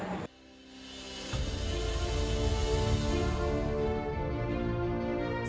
kostum yang digunakan adalah lima overs legion